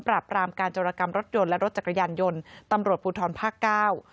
ปรามการจรกรรมรถยนต์และรถจักรยานยนต์ตำรวจภูทรภาคเก้า